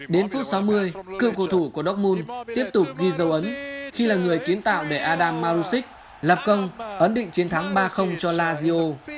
đến phút sáu mươi cư cổ thủ của doc moon tiếp tục ghi dấu ấn khi là người kiến tạo để adam marusic lập công ấn định chiến thắng ba cho lazio